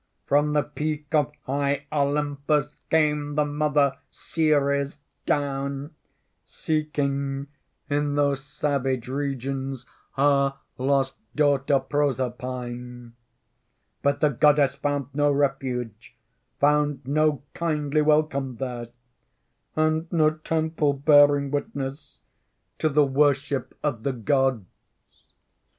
"From the peak of high Olympus Came the mother Ceres down, Seeking in those savage regions Her lost daughter Proserpine. But the Goddess found no refuge, Found no kindly welcome there, And no temple bearing witness To the worship of the gods.